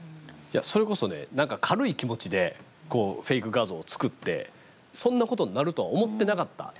それこそね何か軽い気持ちでフェイク画像を作ってそんなことになるとは思ってなかった。